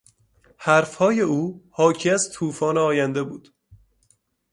حرفهای او حاکی از توفان آینده بود.